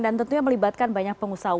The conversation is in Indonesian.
dan tentunya melibatkan banyak pengusaha umkm